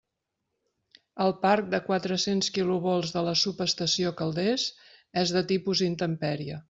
El parc de quatre-cents kilovolts de la subestació Calders és de tipus intempèrie.